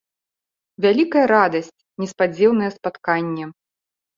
Вялікая радасць, неспадзеўнае спатканне.